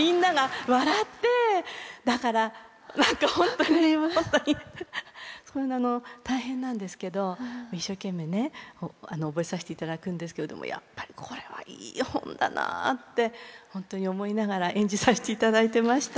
だから何か本当に大変なんですけど一生懸命ね覚えさせていただくんですけれどもやっぱりこれはいい本だなって本当に思いながら演じさせていただいていました。